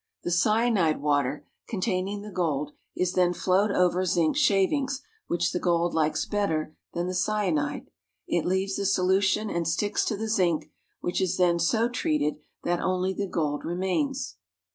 The cyanide water, containing the gold, is then flowed over zinc shavings, which the gold likes better than the cyanide. It leaves the solution and sticks to the zinc, which is then so treated that only the gold remains.